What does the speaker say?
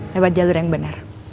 lewat jalur yang benar